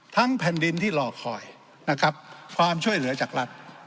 ทั้งแผ่นดินที่รอคอยความช่วยเหลือจากรัฐ